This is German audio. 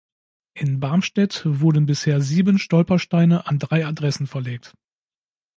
In Barmstedt wurden bisher sieben Stolpersteine an drei Adressen verlegt.